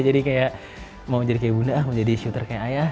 jadi kayak mau jadi kayak bu nona mau jadi shooter kayak ayah